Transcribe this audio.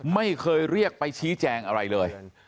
ไม่เคยเรียกไปชี้แจงอะไรเลย